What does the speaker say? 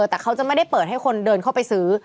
แต่เขาจะไม่ได้เปิดให้คนเดินเข้าไปซื้อ